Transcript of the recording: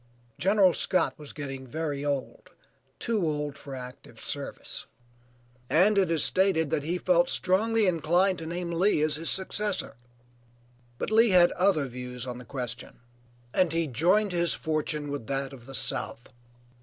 General Scott was getting very old, too old for active service, and it is stated that he felt strongly inclined to name Lee as his successor, but Lee had other views on the question and he joined his fortune with that of the South.